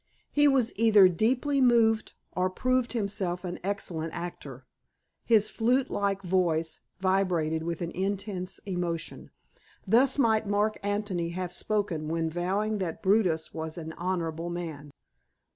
He was either deeply moved, or proved himself an excellent actor. His flute like voice vibrated with an intense emotion. Thus might Mark Antony have spoken when vowing that Brutus was an honorable man.